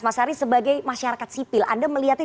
mas haris sebagai masyarakat sipil anda melihatnya